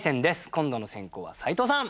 今度の先攻は斉藤さん。